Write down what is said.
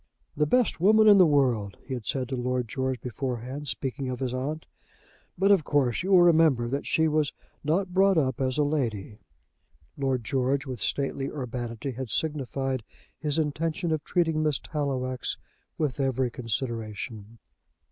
"The best woman in the world," he had said to Lord George beforehand, speaking of his aunt; "but, of course, you will remember that she was not brought up as a lady." Lord George, with stately urbanity, had signified his intention of treating Miss Tallowax with every consideration.